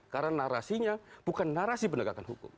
karena narasinya bukan narasi pendegakan hukum